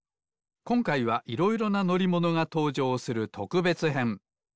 こんかいはいろいろなのりものがとうじょうするとくべつへん。